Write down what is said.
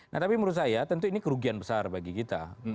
nah tapi menurut saya tentu ini kerugian besar bagi kita